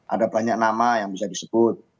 ada banyak nama yang bisa disebut